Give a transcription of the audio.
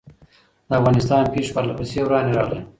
د افغانستان پېښې پرله پسې ورانې راغلې.